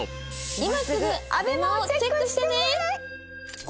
今すぐＡＢＥＭＡをチェックしてください！